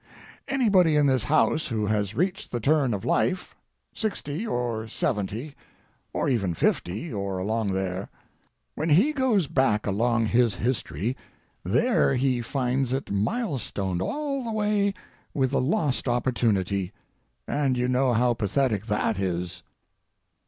Anybody in this house who has reached the turn of life—sixty, or seventy, or even fifty, or along there—when he goes back along his history, there he finds it mile stoned all the way with the lost opportunity, and you know how pathetic that is.